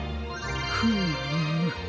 フーム。